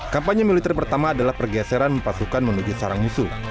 kampanye militer pertama adalah pergeseran pasukan menuju sarang musuh